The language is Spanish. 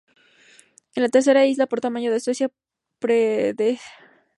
Es la tercera isla por tamaño de Suecia, precedida por Gotland y Öland.